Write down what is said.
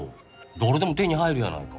誰でも手に入るやないか。